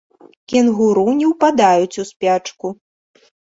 Кенгуру не ўпадаюць у спячку.